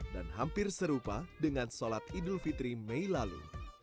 dan hampir serupa dengan sholat idul fitri mei lalu